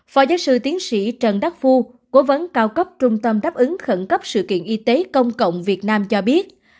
phó giáo sư tiến sĩ trần đắc phu cố vấn cao cấp trung tâm đáp ứng khẩn cấp sự kiện y tế công cộng việt nam cho biết